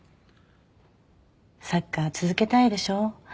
サッカー続けたいでしょ？